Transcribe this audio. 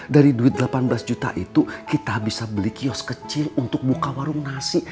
dari duit delapan belas juta itu kita bisa beli kios kecil untuk buka warung nasi